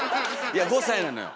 いや５歳なのよ。